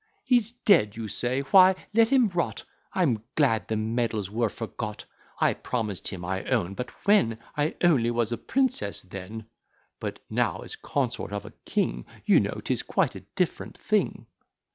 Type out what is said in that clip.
He's dead, you say; why, let him rot: I'm glad the medals were forgot. I promised him, I own; but when? I only was a princess then; But now, as consort of a king, You know, 'tis quite a different thing."